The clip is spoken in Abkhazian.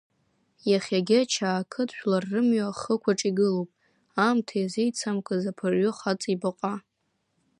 Иахьагьы Чаарқыҭ жәлар рымҩа ахықәаҿ игылоуп, аамҭа иазеицамкыз аԥырҩы хаҵа ибаҟа.